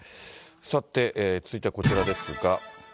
さて、続いてはこちらですが。